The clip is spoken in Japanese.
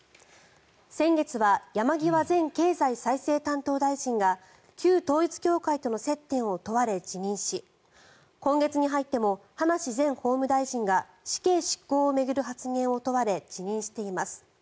先月は山際前経済再生担当大臣が旧統一教会との接点を問われ辞任し今月に入っても葉梨前法務大臣が死刑執行を巡る発言を問われ辞任しています。